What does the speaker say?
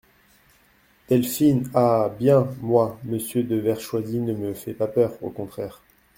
Delphine Ah ! bien, moi, Monsieur de Vertchoisi ne me fait pas peur, au contraire …